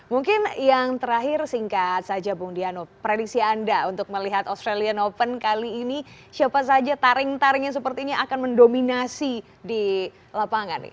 mungkin yang terakhir singkat saja bung diano prediksi anda untuk melihat australian open kali ini siapa saja taring taring yang seperti ini akan mendominasi di lapangan